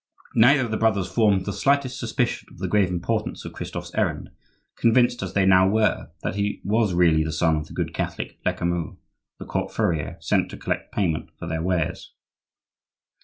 Neither of the brothers formed the slightest suspicion of the grave importance of Christophe's errand, convinced, as they now were, that he was really the son of the good Catholic Lecamus, the court furrier, sent to collect payment for their wares.